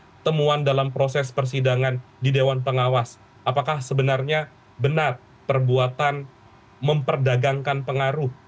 ada temuan dalam proses persidangan di dewan pengawas apakah sebenarnya benar perbuatan memperdagangkan pengaruh